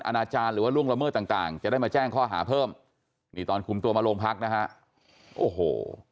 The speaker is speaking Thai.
อาจารย์หรือว่าล่วงละเมิดต่างจะได้มาแจ้งข้อหาเพิ่มนี่ตอนคุมตัวมาโรงพักนะฮะโอ้โห